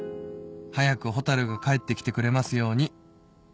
「早く蛍が帰ってきてくれますように」